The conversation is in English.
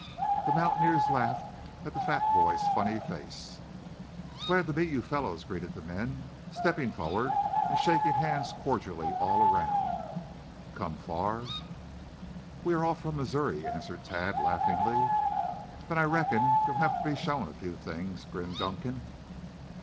The mountaineers laughed at the fat boy's funny face. "Glad to meet you, fellows," greeted the men, stepping forward and shaking hands cordially all round. "Come far?" "We are all from Missouri," answered Tad laughingly. "Then I reckon you'll have to be shown a few things," grinned Dunkan.